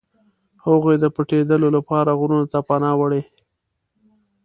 هغوی د پټېدلو لپاره غرونو ته پناه وړي.